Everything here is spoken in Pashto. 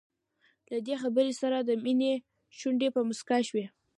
له دې خبرې سره د مينې شونډې په مسکا شوې.